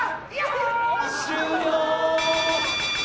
終了！